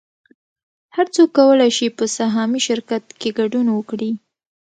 هر څوک کولی شي په سهامي شرکت کې ګډون وکړي